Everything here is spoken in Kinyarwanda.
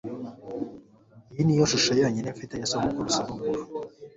iyi niyo shusho yonyine mfite ya sogokuru-sogokuru